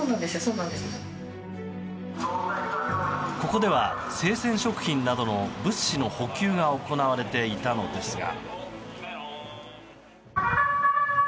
ここでは生鮮食品などの物資の補給が行われていたのですが。